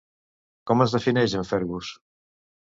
Com es defineix en Fergus?